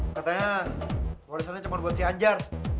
katanya warisannya cuma buat si anjar